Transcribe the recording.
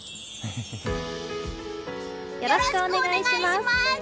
よろしくお願いします！